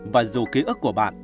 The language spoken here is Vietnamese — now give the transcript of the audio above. và dù ký ức của bạn